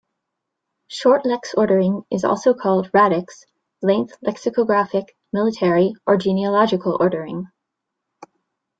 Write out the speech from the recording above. Shortlex ordering is also called radix, length-lexicographic, military, or genealogical ordering.